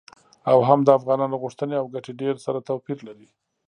او هم د افغانانو غوښتنې او ګټې ډیر سره توپیر لري.